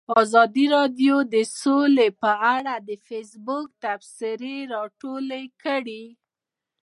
ازادي راډیو د سوله په اړه د فیسبوک تبصرې راټولې کړي.